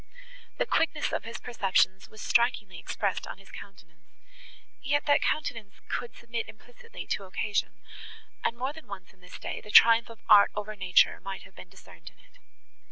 The quickness of his perceptions was strikingly expressed on his countenance, yet that countenance could submit implicitly to occasion; and, more than once in this day, the triumph of art over nature might have been discerned in it.